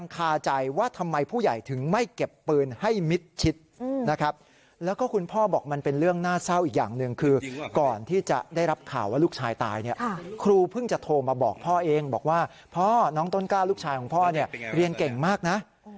คือครูเพิ่งจะโทรมาบอกพ่อเองบอกว่าพ่อน้องต้นกล้าลูกชายของพ่อเรียนเก่งมากนะ